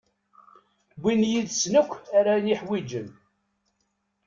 Iwin yid-sen ayen akk ara iḥwiǧen.